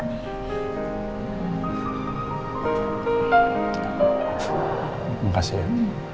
terima kasih ya